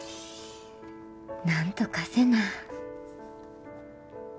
なんとかせな。